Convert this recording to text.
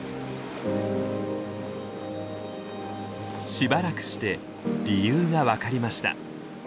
しばらくして理由が分かりました。